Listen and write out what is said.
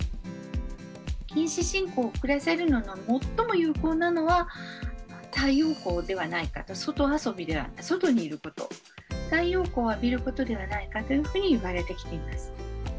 近視進行を遅らせるのに最も有効なのは太陽光ではないかと外遊び外にいること太陽光を浴びることではないかというふうにいわれてきています。